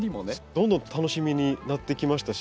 どんどん楽しみになってきましたし